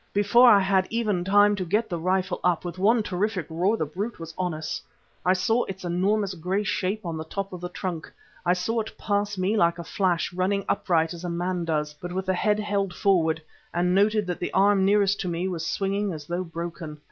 Before I had even time to get the rifle up, with one terrific roar the brute was on us. I saw its enormous grey shape on the top of the trunk, I saw it pass me like a flash, running upright as a man does, but with the head held forward, and noted that the arm nearest to me was swinging as though broken.